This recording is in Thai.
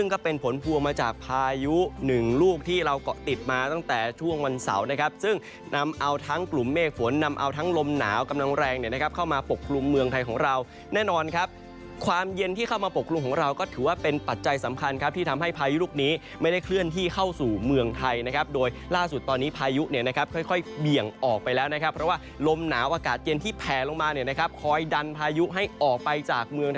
นำเอาทั้งกลุ่มเมฆฝนนำเอาทั้งลมหนาวกำลังแรงเข้ามาปกลุ่มเมืองไทยของเราแน่นอนครับความเย็นที่เข้ามาปกลุ่มของเราก็ถือว่าเป็นปัจจัยสำคัญที่ทำให้พายุลูกนี้ไม่ได้เคลื่อนที่เข้าสู่เมืองไทยโดยล่าสุดตอนนี้พายุค่อยเบี่ยงออกไปแล้วเพราะว่าลมหนาวอากาศเย็นที่แผลลงมาคอยดันพายุให้ออกไปจ